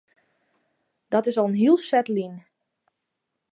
Dat is al in hiel set lyn.